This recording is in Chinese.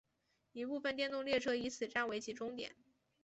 一部分电动列车以此站为起终点。